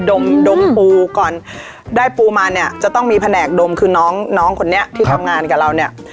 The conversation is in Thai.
ดมดมปูก่อนได้ปูมาเนี่ยจะต้องมีแผนกดมคือน้องน้องคนนี้ที่ทำงานกับเราเนี่ย